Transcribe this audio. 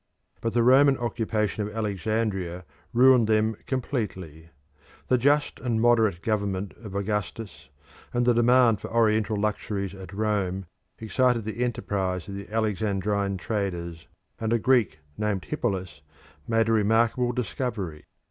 But the Roman occupation of Alexandria ruined them completely. The just and moderate government of Augustus, and the demand for Oriental luxuries at Rome, excited the enterprise of the Alexandrine traders, and a Greek named Hippalus made a remarkable discovery.